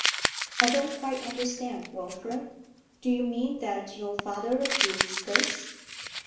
'I don't quite understand, Wilfrid. Do you mean that your father approves this?'